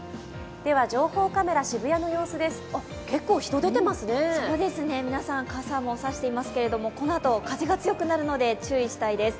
では情報カメラ、渋谷の様子です皆さん、傘も差していますけど、このあと風が強くなるので注意したいです。